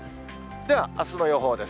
では、あすの予報です。